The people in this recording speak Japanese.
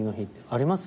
あります？